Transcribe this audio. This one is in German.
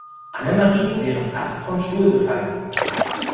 Annemarie wäre fast vom Stuhl gefallen.